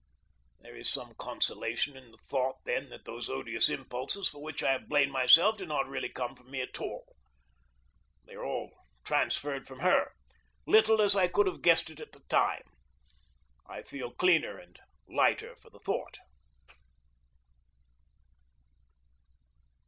There is some consolation in the thought, then, that those odious impulses for which I have blamed myself do not really come from me at all. They are all transferred from her, little as I could have guessed it at the time. I feel cleaner and lighter for the thought.